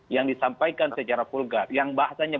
yang disampaikan secara vulgar yang bahasanya